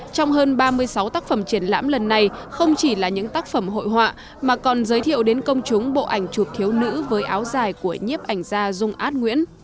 trong hơn ba mươi sáu tác phẩm triển lãm lần này không chỉ là những tác phẩm hội họa mà còn giới thiệu đến công chúng bộ ảnh chụp thiếu nữ với áo dài của nhiếp ảnh gia dung át nguyễn